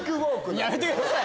やめてください！